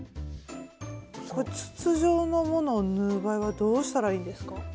これ筒状のものを縫う場合はどうしたらいいんですか？